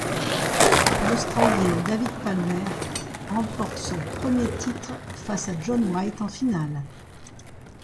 L'Australien David Palmer remporte son premier titre face à John White en finale.